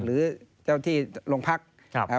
หรือเจ้าที่โรงพักษณ์